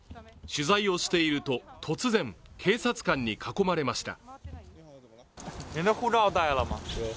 取材をしていると突然、警察官に囲まれました。